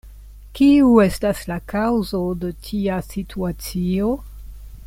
Kiu estas la kaŭzo de tia situacio?